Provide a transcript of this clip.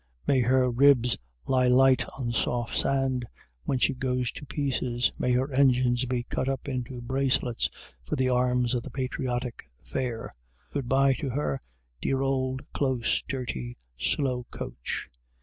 may her ribs lie light on soft sand when she goes to pieces! may her engines be cut up into bracelets for the arms of the patriotic fair! good by to her, dear old, close, dirty, slow coach!